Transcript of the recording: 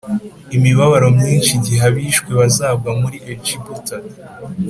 imibabaro myinshi igihe abishwe bazagwa muri Egiputa